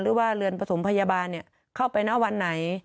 หรือว่าเรือนประสงค์พยาบาลเข้าไปน้ำวันไหน